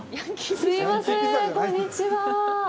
すいませーん、こんにちは。